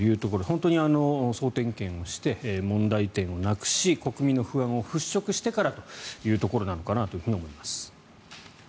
本当に、総点検をして問題点をなくし国民の不安を払しょくしてからというところなのかなと思います。